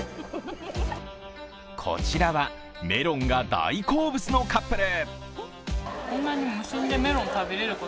こちらは、メロンが大好物のカップル。